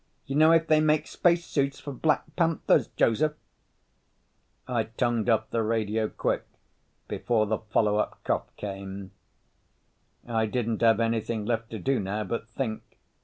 You know if they make spacesuits for black panthers, Joseph?" I tongued off the radio quick, before the follow up cough came. I didn't have anything left to do now but think.